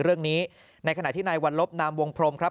เรื่องนี้ในขณะที่ในวันลบนามวงพรมครับ